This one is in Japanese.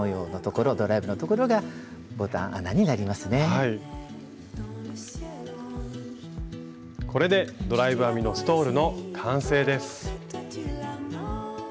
これでドライブ編みのストールの完成です。